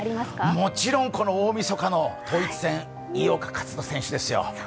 もちろん大みそかの統一戦、井岡一翔選手ですよ。